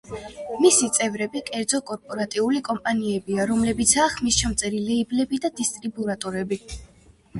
მისი წევრები კერძო კორპორატიული კომპანიებია, როგორებიცაა ხმისჩამწერი ლეიბლები და დისტრიბუტორები.